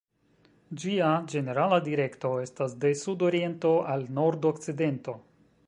Ĝia ĝenerala direkto estas de sud-oriento al nord-okcidento.